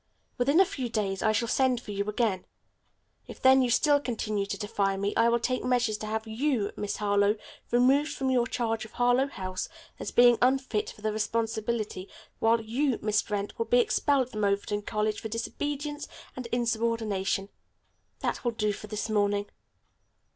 Within a few days I shall send for you again. If then you still continue to defy me I will take measures to have you, Miss Harlowe, removed from your charge of Harlowe House as being unfit for the responsibility, while you, Miss Brent, will be expelled from Overton College for disobedience and insubordination. That will do for this morning."